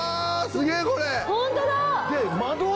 すげぇこれ！